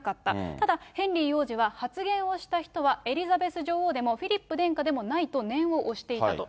ただ、ヘンリー王子は発言をした人は、エリザベス女王でもフィリップ殿下でもないと、念を押していたと。